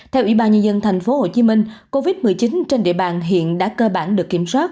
theo ủy ban nhà dân thành phố hồ chí minh covid một mươi chín trên địa bàn hiện đã cơ bản được kiểm soát